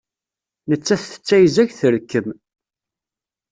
Nettat tettayzag, trekkem.